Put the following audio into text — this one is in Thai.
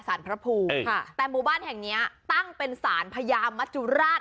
สารพระภูมิค่ะแต่หมู่บ้านแห่งเนี้ยตั้งเป็นสารพญามัจจุราช